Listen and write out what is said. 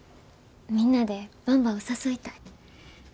みんなでばんばを誘いたい。